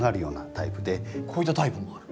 こういったタイプもある。